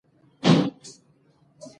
اوس به نوبت مقابل لور ته ورکړو.